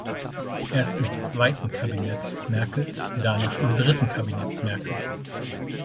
Erst im zweiten Kabinett Merkels, danach im dritten Kabinett Merkels.